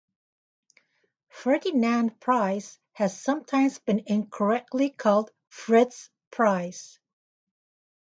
Ferdinand Preiss has sometimes been incorrectly called Fritz Preiss.